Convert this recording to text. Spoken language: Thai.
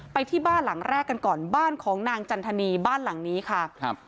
ไปที่บ้านหลังแรกกันก่อนบ้านของนางจันทนีบ้านหลังนี้ค่ะครับ